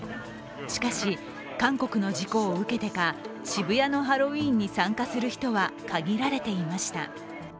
しかし、韓国の事故を受けてか渋谷のハロウィーンに参加する人は限られていました。